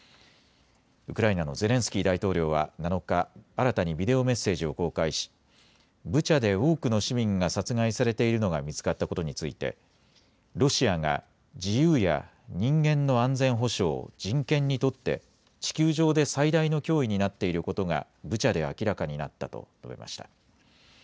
ウクライナのゼレンスキー大統領は７日、新たにビデオメッセージを公開しブチャで多くの市民が殺害されているのが見つかったことについてロシアが自由や人間の安全保障、人権にとって地球上で最大の脅威になっていることがブチャで明らかになったと述べました。